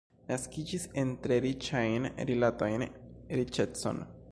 Naskiĝis en tre riĉajn rilatojn, riĉecon.